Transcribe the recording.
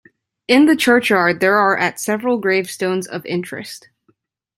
In the churchyard there are at several gravestones of interest.